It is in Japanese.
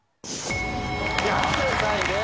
正解です。